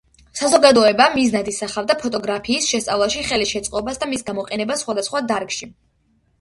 საზოგადოება მიზნად ისახავდა ფოტოგრაფიის შესწავლაში ხელის შეწყობას და მის გამოყენებას სხვადასხვა დარგში.